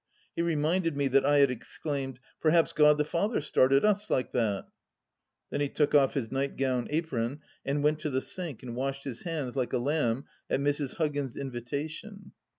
He reminded me that I had exclaimed :" Perhaps Glod the Father started us like that 1 " Then he took off his nightgown apron and went to the sink and washed his hands like a lamb at Mrs. Huggins' in vitation.